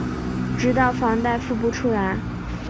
直到房贷付不出来